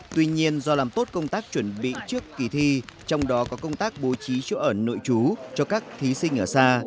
tuy nhiên do làm tốt công tác chuẩn bị trước kỳ thi trong đó có công tác bố trí chỗ ở nội trú cho các thí sinh ở xa